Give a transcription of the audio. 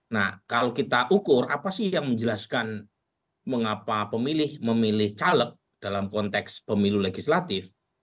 nah kalau kita ukur apa sih yang menjelaskan mengapa pemilih memilih caleg dalam konteks pemilu legislatif